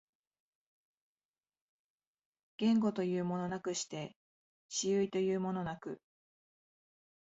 言語というものなくして思惟というものなく、